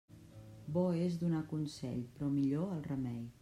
Bo és donar consell, però millor el remei.